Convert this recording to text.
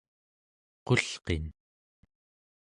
qulqin